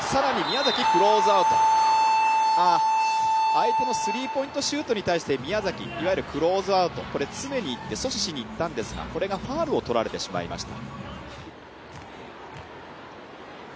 相手のスリーポイントシュートに対して宮崎いわゆるクローズアウト阻止しにいったんですがこれがファウルをとられてしまいました。